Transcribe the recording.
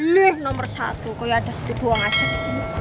gileh nomer satu kayak ada studu organik di sini